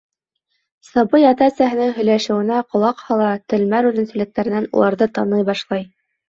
Сабый ата-әсәһенең һөйләшеүенә ҡолаҡ һала, телмәр үҙенсәлектәренән уларҙы таный башлай.